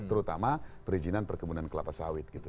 terutama perizinan perkebunan kelapa sawit gitu